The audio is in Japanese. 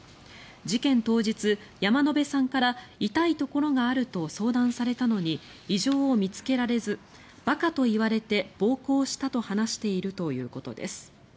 事件当日、山野辺さんから痛いところがあると相談されたのに異常を見つけられず馬鹿と言われて暴行したと話しているということです。